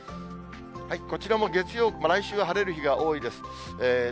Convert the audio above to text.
こちらも月曜、来週は晴れる日が多いです。